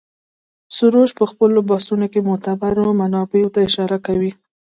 سروش په خپلو بحثونو کې معتبرو منابعو ته اشاره کوي.